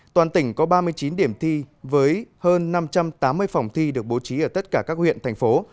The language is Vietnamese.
toàn tỉnh có ba mươi chín điểm thi với hơn năm trăm tám mươi phòng thi được bố trí ở tất cả các huyện thành phố